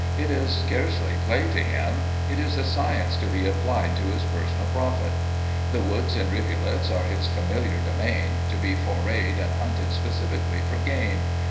It is scarcely play to him, it is a science to be applied to his personal profit. The woods and rivulets are his familiar domain, to be forayed and hunted specifically for gain.